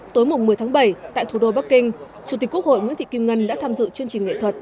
tối một mươi tháng bảy tại thủ đô bắc kinh chủ tịch quốc hội nguyễn thị kim ngân đã tham dự chương trình nghệ thuật